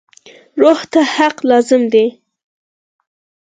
روح ته حق لازم دی.